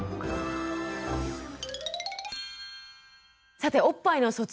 さておっぱいの卒業。